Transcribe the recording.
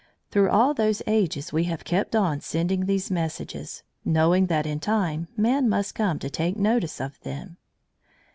Through all those ages we have kept on sending these messages, knowing that in time man must come to take notice of them.